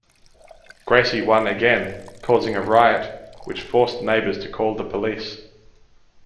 Gracie won again, causing a riot which forced neighbours to call the police.